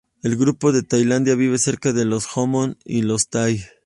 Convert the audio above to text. El grupo de Tailandia vive cerca de los Hmong y los Thai.